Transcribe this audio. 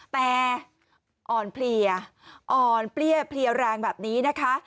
แต่อ่อนเพลียอ่อนเปรี้ยเพลียแรงแบบนี้นะคะ